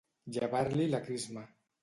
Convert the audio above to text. Llevar-li la crisma.